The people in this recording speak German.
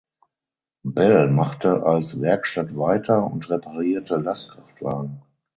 Bell machte als Werkstatt weiter und reparierte Lastkraftwagen.